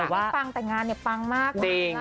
รักฟังแต่งงานฟังมาก